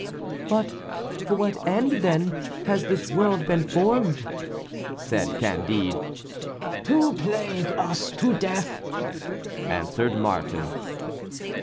"But for what end, then, has this world been formed?" said Candide. "To plague us to death," answered Martin.